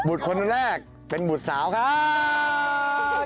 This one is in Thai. คนแรกเป็นบุตรสาวครับ